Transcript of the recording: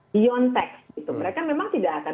beyond text gitu mereka memang tidak akan